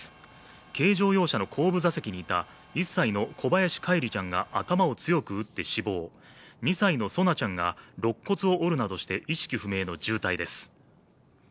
軽乗用車の後部座席にいた１歳の小林叶一里ちゃんが頭を強く打って死亡、２歳の蒼菜ちゃんがろっ骨を折るなどして、意識不明の重体です。